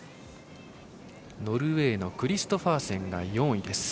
ノルウェーのクリストファーセンが４位。